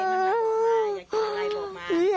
อยากได้ร่างอยู่ตรงไหน